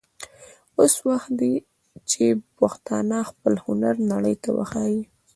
اوس وخت دی چې پښتانه خپل هنر نړۍ ته وښايي.